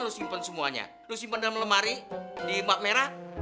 lo simpen semuanya lo simpen dalam lemari di mbak merah